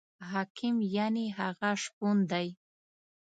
حاکم یعنې هغه شپون دی.